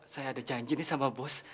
saya ada janji nih sama bos